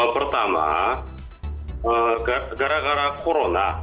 pertama gara gara corona